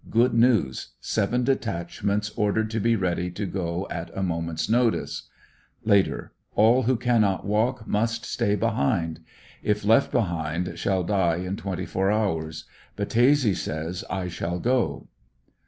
Good news. Seven detachments ordered to be ready to go at a moment's notice. Later. — All who cannot walk must stay behind. If left behind shall die in twenty four hours. Battese says I shall go.